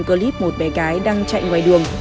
clip một bé gái đang chạy ngoài đường